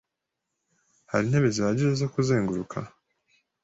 Hari intebe zihagije zo kuzenguruka?